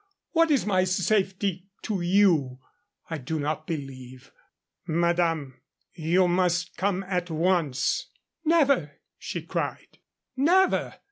What is my safety to you? I do not believe " "Madame, you must come at once." "Never!" she cried. "Never!